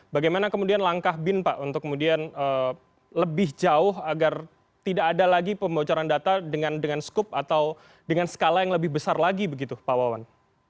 bagaimana kemudian langkah bin pak untuk kemudian lebih jauh agar tidak ada lagi pembocoran data dengan skup atau dengan skala yang lebih besar lagi begitu pak wawan